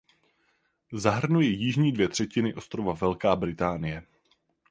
Zahrnuje jižní dvě třetiny ostrova Velká Británie.